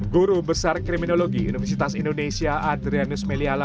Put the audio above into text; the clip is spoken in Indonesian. guru besar kriminologi universitas indonesia adrianus meliala